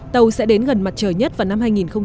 tàu sẽ đến gần mặt trời nhất vào năm hai nghìn hai mươi